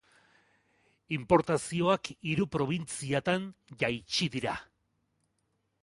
Inportazioak hiru probintziatan jaitsi dira.